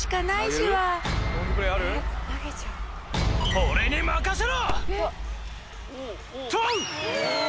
「俺に任せろ！